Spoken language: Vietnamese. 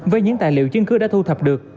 với những tài liệu chứng cứ đã thu thập được